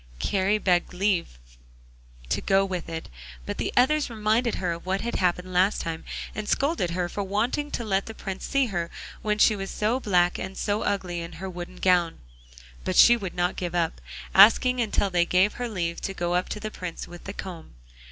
Kari begged for leave to go with it, but the others reminded her of what had happened last time, and scolded her for wanting to let the Prince see her when she was so black and so ugly in her wooden gown, but she would not give up asking until they gave her leave to go up to the Prince with the comb.